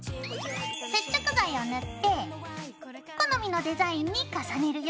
接着剤を塗って好みのデザインに重ねるよ。